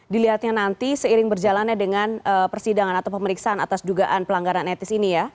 dilihatnya nanti seiring berjalannya dengan persidangan atau pemeriksaan atas dugaan pelanggaran etis ini ya